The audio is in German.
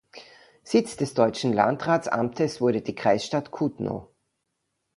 Sitz des deutschen Landratsamtes wurde die Kreisstadt Kutno.